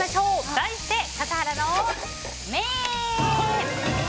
題して、笠原の眼！